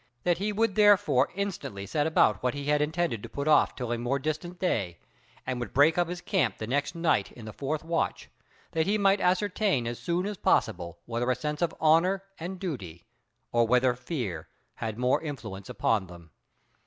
That he would therefore instantly set about what he had intended to put off till a more distant day, and would break up his camp the next night in the fourth watch, that he might ascertain as soon as possible whether a sense of honor and duty, or whether fear, had more influence with them.